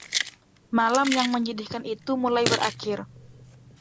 Malam yang menyedihkan itu mulai berakhir.